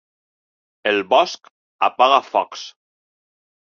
El bosc apaga focs.